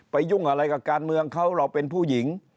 ยุ่งอะไรกับการเมืองเขาเราเป็นผู้หญิง